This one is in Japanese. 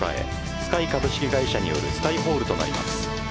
Ｓｋｙ株式会社によるＳｋｙホールとなります。